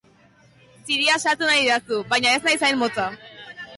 Ziria sartu nahi didazu, baina ez naiz hain motza.